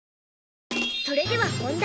それでは本題。